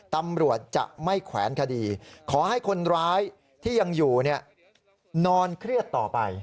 ตำรวจจะไม่แขวนคดีขอให้คนร้ายที่ยังอยู่นอนเครียดต่อไป